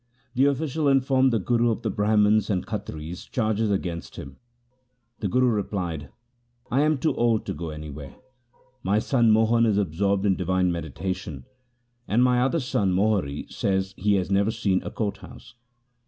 The official informed the Guru of the Brahmans' and Khatris' charges against him. The Guru replied, ' I am too old to go any where. My son Mohan is absorbed in divine medita tion, and my other son Mohri says he has never seen a court house.